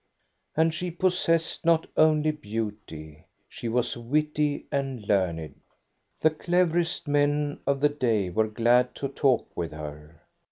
And she possessed not only beauty. She was witty and learned. The cleverest men of the day were glad to talk with her.